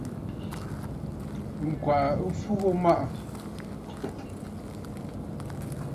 Ŋ̀gwàʼà ɨ fu ghu maʼà.